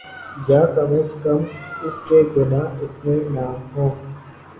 یاکم ازکم اس کے گناہ اتنے نہ ہوں۔